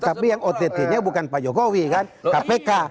tapi yang ott nya bukan pak jokowi kan kpk